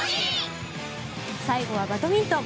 最後はバドミントン。